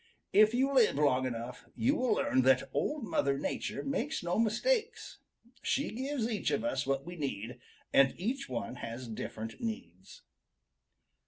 If you live long enough, you will learn that Old Mother Nature makes no mistakes. She gives each of us what we need, and each one has different needs."